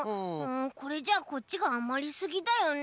これじゃこっちがあまりすぎだよね。